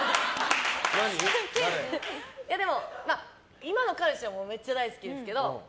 でも、今の彼氏はめっちゃ大好きですけど。